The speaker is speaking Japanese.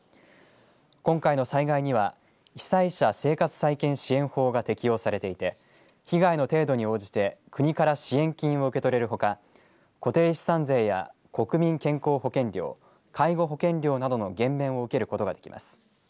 今回の災害には被災者生活再建支援法が適用されていて被害の程度に応じて国から支援金を受け取れるほか固定資産税や国民健康保険料介護保険料などの減免を受けることができます。